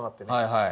はい。